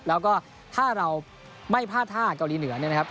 แล้วก็ถ้าเราไม่พลาดท่าเกาหลีเหนือเนี่ยนะครับ